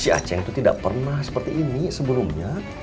di aceh itu tidak pernah seperti ini sebelumnya